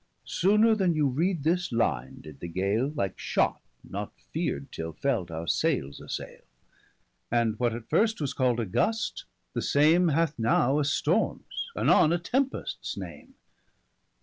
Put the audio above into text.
Sooner then you read this line, did the gale, Like shot, not fear'd till felt, our sailes assaile; 30 And what at first was call'd a gust, the same Hath now a stormes, anon a tempests name.